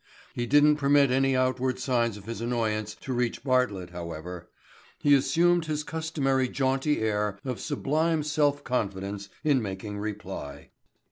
He didn't permit any outward signs of his annoyance to reach Bartlett, however. He assumed his customary jaunty air of sublime self confidence in making reply.